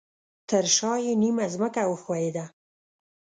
ترشاه یې نیمه ځمکه وښویده